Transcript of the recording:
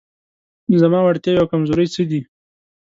زما وړتیاوې او کمزورۍ څه دي؟